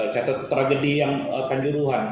catatan tragedi yang kejuruhan